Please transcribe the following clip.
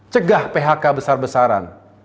cegah phk besar besaran